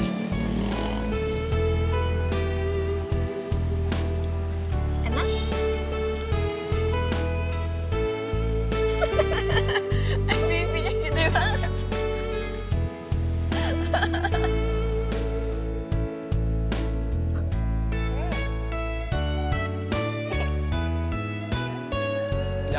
satu dong masa dua